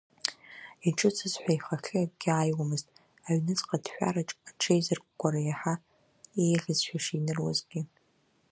Иҿыцыз ҳәа ихахьы акгьы ааиуамызт, аҩныҵҟа ҭшәараҿ аҽеизыркәкәара иаҳа иеиӷьызшәа шиныруазгьы.